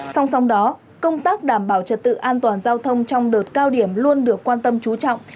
song song đó công tác đảm bảo trật tự an toàn giao thông trong đợt cao điểm luôn được quan tâm chú trọng